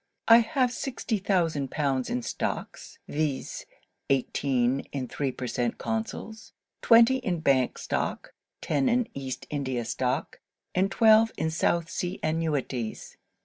'I have sixty thousand pounds in the stocks; viz. eighteen in the three per cent. consols. twenty in Bank stock: ten in East India stock; and twelve in South Sea annuities.